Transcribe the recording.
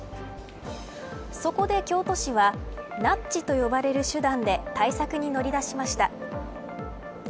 そこで、京都市はナッジと呼ばれる手段で対策に乗り出しました。